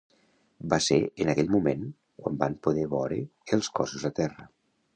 Va ser en aquell moment quan van poder vore els cossos a terra.